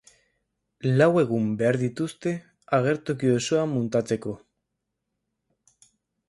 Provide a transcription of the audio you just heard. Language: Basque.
Lau egun behar dituzte agertoki osoa muntatzeko.